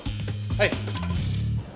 はい。